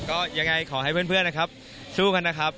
ก็ยังไงขอให้เพื่อนนะครับสู้กันนะครับ